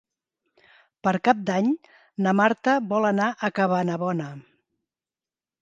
Per Cap d'Any na Marta vol anar a Cabanabona.